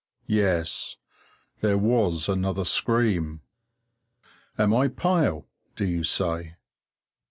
Yes, there was another scream. Am I pale, do you say?